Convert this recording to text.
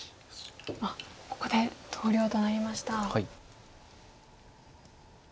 あっここで投了となりました。